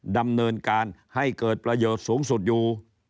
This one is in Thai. ดำเนินการให้เกิดประโยชน์สูงสุดอยู่